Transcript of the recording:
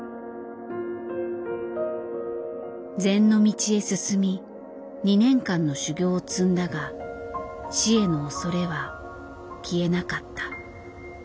禅の道へ進み２年間の修行を積んだが死への恐れは消えなかった。